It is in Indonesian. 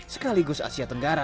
sekaligus asia tenggara